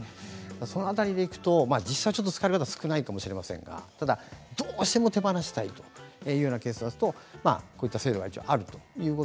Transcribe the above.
その辺りでいくと実際使われる方は少ないかもしれませんがただどうしても手放したいというケースですとこういった制度が一応あるということ。